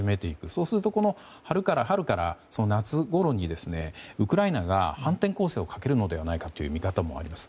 そうすると春から夏ごろにウクライナが反転攻勢をかけるのではないかという見方もあります。